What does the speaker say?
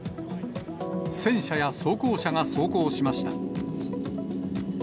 戦車や装甲車が走行しました。